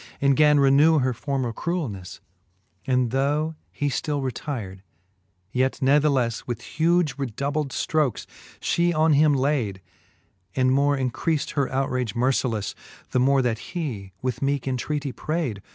And gan renew her former cruelnefTe : And though he ftill retyr'd, yet nathelelle With huge redoubled ftrokes flie on him layd ; And more increaft her outrage mercileflfe, The more that he with meeke intreatie prayd.